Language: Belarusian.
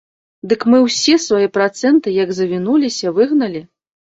Дык мы ўсе свае працэнты, як завінуліся, выгналі.